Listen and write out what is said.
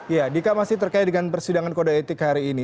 ya dika masih terkait dengan persidangan kode etik hari ini